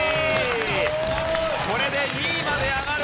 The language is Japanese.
これで２位まで上がる。